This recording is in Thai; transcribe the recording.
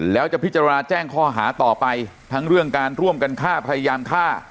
แล้วจะพิจารณาแจ้งข้อหาต่อไปทั้งเรื่องการร่วมกันฆ่าพยายามฆ่า